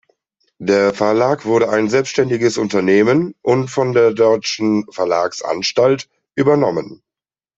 Der Verlag wurde ein selbständiges Unternehmen und von der Deutschen Verlags-Anstalt übernommen.